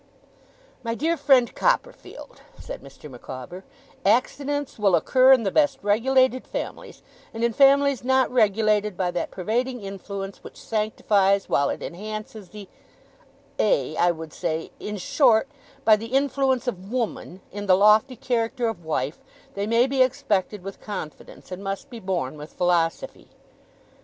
'My dear friend Copperfield,' said Mr. Micawber, 'accidents will occur in the best regulated families; and in families not regulated by that pervading influence which sanctifies while it enhances the a I would say, in short, by the influence of Woman, in the lofty character of Wife, they may be expected with confidence, and must be borne with philosophy.